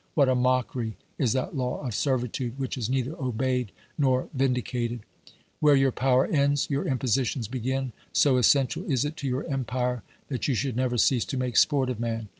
What a mockery is that law of servitude which is neither obeyed nor vindicated ! I50 OBERMANN Where your power ends your impositions begin, so essential is it to your empire that you should never cease to make sport of man